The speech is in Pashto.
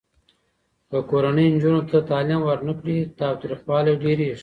که کورنۍ نجونو ته تعلیم ورنه کړي، تاوتریخوالی ډېریږي.